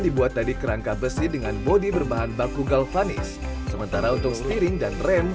dibuat tadi kerangka besi dengan bodi berbahan baku galvanis sementara untuk steering dan rem